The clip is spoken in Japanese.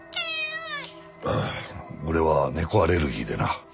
俺は猫アレルギーでな。